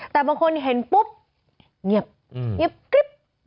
แต่บางคนเห็นปุ๊บเงียบกริ๊บ